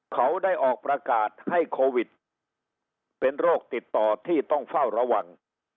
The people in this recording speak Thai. เขาได้ออกประกาศให้โควิดเป็นโรคติดต่อที่ต้องเฝ้าระวัง